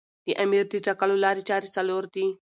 د امیر د ټاکلو لاري چاري څلور دي.